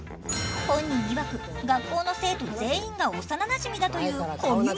本人いわく学校の生徒全員が幼なじみだというコミュモンスター。